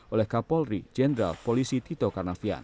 oleh kapolri jenderal polisi tito karnavian